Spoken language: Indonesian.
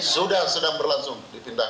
sudah sedang berlangsung dipindahkan